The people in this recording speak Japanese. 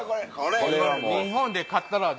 日本で買ったら。